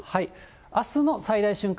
あすの最大瞬間